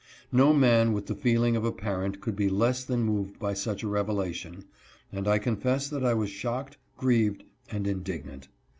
No man with the feeling of a parent could be less than moved by such a revelation, and I confess that I was shocked, grieved, and indignant.